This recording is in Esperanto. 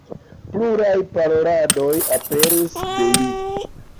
Pluraj paroladoj aperis de li.